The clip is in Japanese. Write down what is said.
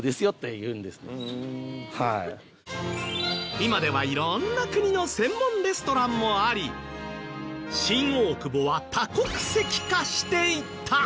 今では色んな国の専門レストランもあり新大久保は多国籍化していた！